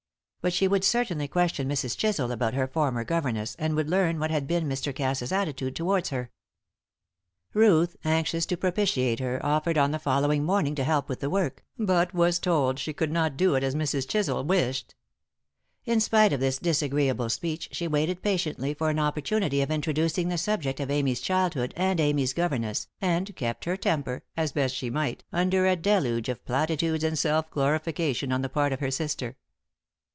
But she would certainly question Mrs. Chisel about her former governess, and would learn what had been Mr. Cass's attitude towards her. Ruth, anxious to propitiate her, offered on the following morning to help with the work, but was told she could not do it as Mrs. Chisel wished. In spite of which disagreeable speech she waited patiently for an opportunity of introducing the subject of Amy's childhood and Amy's governess, and kept her temper, as best she might, under a deluge of platitudes and self glorification on the part of her sister.